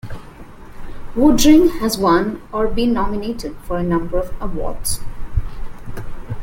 Woodring has won or been nominated for a number of awards.